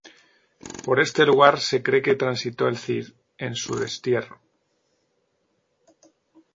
Por este lugar se cree que transitó el Cid, en su destierro.